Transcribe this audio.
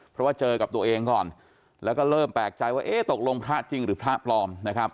เพราะว่าเจอกับตัวเองก่อนแล้วก็เริ่มแปลกใจว่าเอ๊ะตกลงพระจริงหรือพระปลอมนะครับ